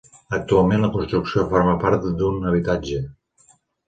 Actualment la construcció forma part d'un habitatge.